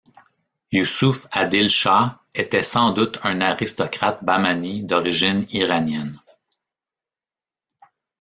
Yusuf Adil Shah était sans doute un aristocrate Bahmani d'origine iranienne.